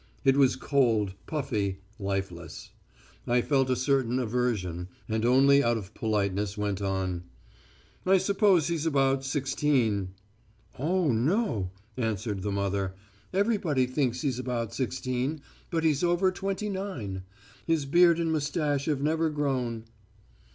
It was cold, puffy, lifeless. I felt a certain aversion, and only out of politeness went on: "'I suppose he's about sixteen.' "'Oh, no,' answered the mother. 'Everybody thinks he's about sixteen, but he's over twenty nine. ... His beard and moustache have never grown.'